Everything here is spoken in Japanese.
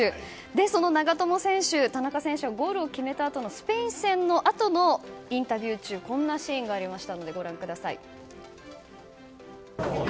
その長友選手、田中選手がゴールを決めたあとのスペイン戦のあとのインタビュー中こんなシーンがありました。